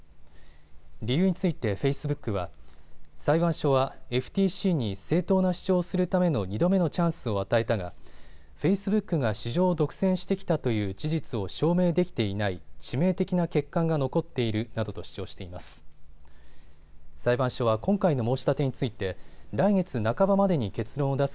理由についてフェイスブックは裁判所はＦＴＣに正当な主張をするための２度目のチャンスを与えたがフェイスブックが市場を独占してきたという事実を証明できていない、致命的な欠陥が残っているなどと主張しています。